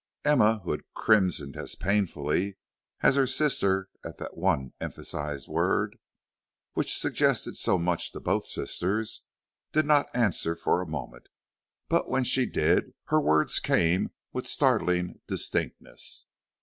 Emma, who had crimsoned as painfully as her sister at that one emphasized word, which suggested so much to both sisters, did not answer for a moment, but when she did her words came with startling distinctness.